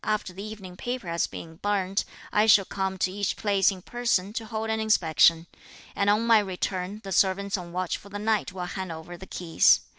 after the evening paper has been burnt, I shall come to each place in person to hold an inspection; and on my return, the servants on watch for the night will hand over the keys.